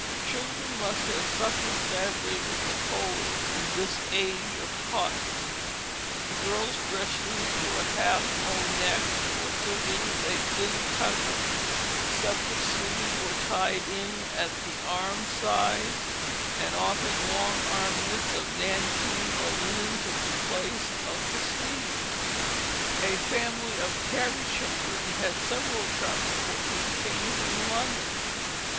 Children must have suffered sadly with the cold in this age of cotton. Girls' dresses were half low necked, and were filled in with a thin tucker; separate sleeves were tied in at the arm size, and often long armed mitts of nankeen or linen took the place of the sleeves. [Illustration: Boy's Suit of Clothing, 1784] A family of Cary children had several charming portraits painted in London.